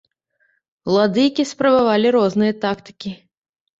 Уладыкі спрабавалі розныя тактыкі.